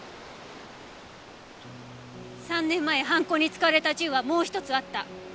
３年前犯行に使われた銃はもう一つあった。